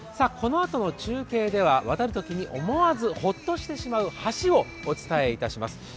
このあとの中継では渡るときに思わずホッとしてしまう橋をお伝えします。